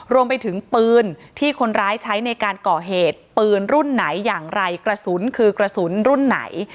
รวมไปถึงปืนที่คนร้ายใช้ในการก่อเหตุปืนรุ่นไหนอย่างไรกระสุนคือกระสุนรุ่นไหน